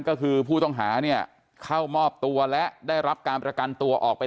ก็คือผู้ต้องหาเนี่ยเข้ามอบตัวและได้รับการประกันตัวออกไป